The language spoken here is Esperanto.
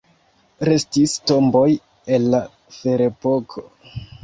Restis tomboj el la ferepoko.